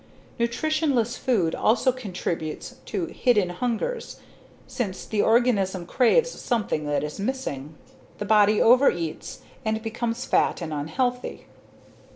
Nutritionless food also contributes to "hidden hungers" since the organism craves something that is missing. The body overeats, and becomes fat and unhealthy.